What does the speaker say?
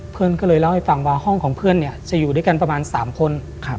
เพื่อนก็เลยเล่าให้ฟังว่าห้องของเพื่อนเนี่ยจะอยู่ด้วยกันประมาณ๓คน